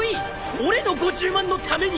俺の５０万のために。